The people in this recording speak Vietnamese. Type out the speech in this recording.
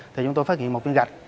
thì chúng tôi phát hiện một viên gạch